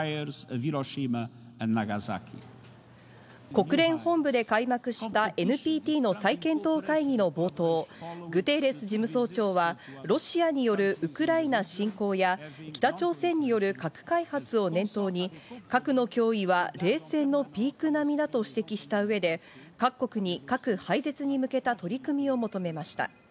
国連本部で開幕したＮＰＴの再検討会議の冒頭、グテーレス事務総長はロシアによるウクライナ侵攻や北朝鮮による核開発を念頭に核の脅威は冷戦のピーク並みだと指摘した上で各国に核廃絶に向けた取り組みを求めました。